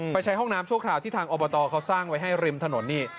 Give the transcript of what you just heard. ใช้ห้องน้ำชั่วคราวที่ทางอบตเขาสร้างไว้ให้ริมถนนนี่